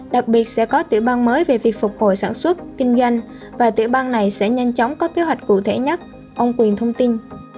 đặc biệt sẽ có tiểu ban mới về việc phục hồi sản xuất kinh doanh và tiểu bang này sẽ nhanh chóng có kế hoạch cụ thể nhất ông quyền thông tin